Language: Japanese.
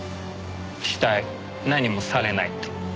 死体何もされないって。